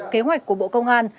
kế hoạch của bộ công an